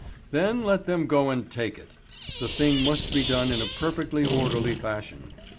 Then let them go and take it. The thing must be done in a perfectly orderly fashion.